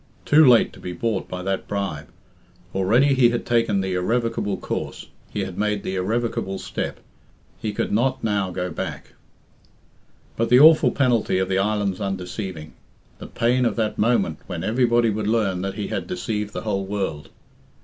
Too late to be bought by that bribe. Already he had taken the irrevocable course, he had made the irrevocable step. He could not now go back. But the awful penalty of the island's undeceiving! The pain of that moment when everybody would learn that he had deceived the whole world!